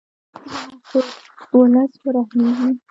زموږ په ولس ورحمیږې.